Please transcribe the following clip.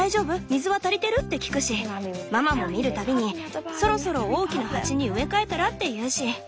水は足りてる？って聞くしママも見る度にそろそろ大きな鉢に植え替えたらって言うし。